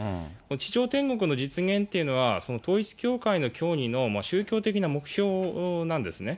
地上天国の実現というのは、その統一教会の教義の宗教的な目標なんですね。